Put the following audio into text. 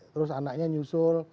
terus anaknya nyusul